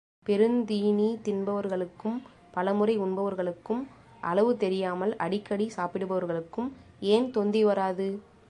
பெருந்தீனி தின்பவர்களுக்கும், பலமுறை உண்பவர்களுக்கும், அளவு தெரியாமல் அடிக்கடி சாப்பிடுபவர்களுக்கும் ஏன் தொந்தி வராது?